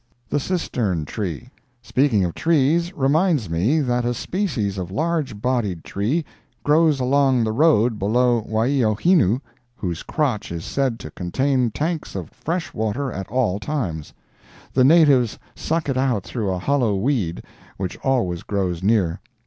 THE CISTERN TREE Speaking of trees reminds me that a species of large bodied tree grows along the road below Waiohinu whose crotch is said to contain tanks of fresh water at all times; the natives suck it out through a hollow weed, which always grows near.